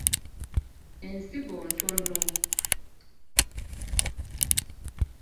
Ensigo ntono.